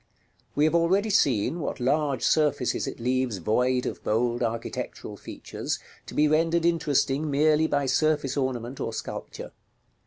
We have already seen what large surfaces it leaves void of bold architectural features, to be rendered interesting merely by surface ornament or sculpture.